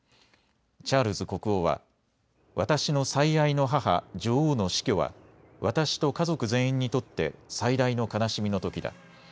チャールズ国王は私の最愛の母、女王の死去は私と家族全員にとって最大の悲しみのときだ。